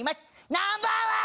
ナンバーワン！